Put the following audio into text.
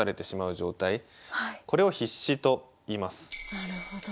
なるほど。